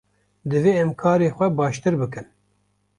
Divê em karê xwe baştir bikin.